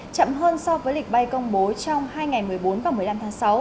chậm hơn so với lịch bay công bố trong hai ngày một mươi bốn và một mươi năm tháng sáu